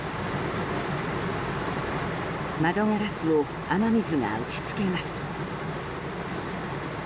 窓ガラスを雨水が打ち付けます。